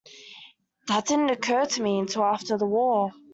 That didn't occur to me until after the war.